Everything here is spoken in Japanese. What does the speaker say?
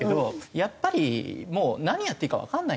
やっぱりもう何やっていいかわかんない。